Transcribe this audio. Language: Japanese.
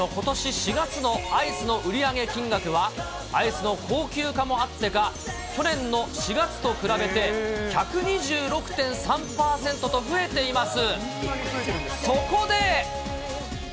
４月のアイスの売り上げ金額は、アイスの高級化もあってか、去年の４月と比べて１２６．３％と増えています。